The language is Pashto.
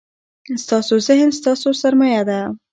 ستاسو ذهن ستاسو سرمایه ده.